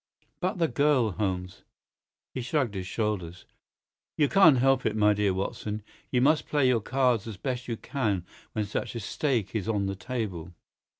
"But the girl, Holmes?" He shrugged his shoulders. "You can't help it, my dear Watson. You must play your cards as best you can when such a stake is on the table.